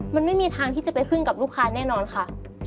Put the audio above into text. มันไม่มีทางที่จะไปขึ้นกับลูกค้าแน่นอนค่ะ